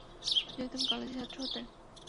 যদি তুমি কলেজের ছাত্র হতে।